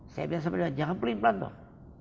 saya bilang sama dia jangan pelan pelan dong